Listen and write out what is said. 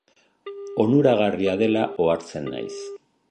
Onuragarria dela ohartzen naiz.